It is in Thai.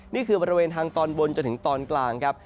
บริเวณทางตอนบนจนถึงตอนกลางครับ